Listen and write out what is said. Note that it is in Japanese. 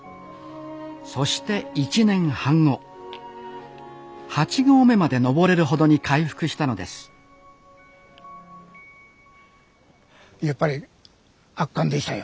そして１年半後八合目まで登れるほどに回復したのですやっぱり圧巻でしたよ。